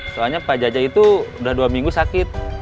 soalnya pak jaja itu udah dua minggu sakit